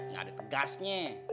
gak ada kegasnya